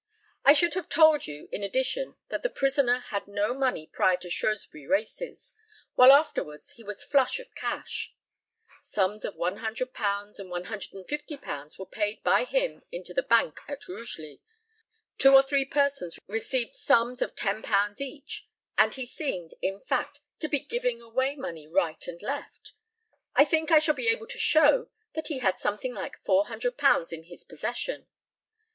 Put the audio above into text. I should have told you, in addition, that the prisoner had no money prior to Shrewsbury races, while afterwards he was flush of cash. Sums of £100 and £150 were paid by him into the bank at Rugeley, two or three persons received sums of £10 each, and he seemed, in fact, to be giving away money right and left. I think I shall be able to show that he had something like £400 in his possession.